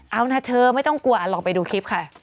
เอานะเธอไม่ต้องกลัวลองไปดูคลิปค่ะ